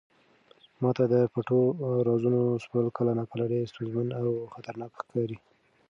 ما ته د پټو رازونو سپړل کله ناکله ډېر ستونزمن او خطرناک ښکاري.